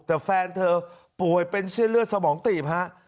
แต่แฟนเธอป่วยเป็นเส้นเลือดสมองตีบฮะ